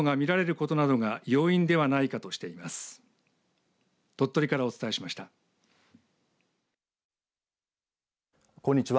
こんにちは。